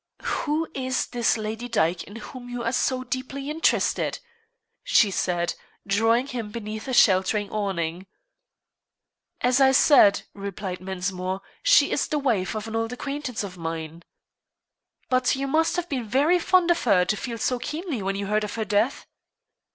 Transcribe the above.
"Who is this Lady Dyke in whom you are so deeply interested?" she said, drawing him beneath a sheltering awning. "As I said," replied Mensmore, "she is the wife of an old acquaintance of mine." "But you must have been very fond of her to feel so keenly when you heard of her death?"